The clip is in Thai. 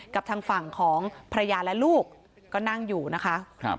กับทางฝั่งของภรรยาและลูกก็นั่งอยู่นะคะ